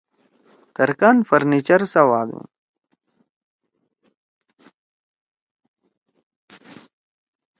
ترکان فرنیچر سوادُو۔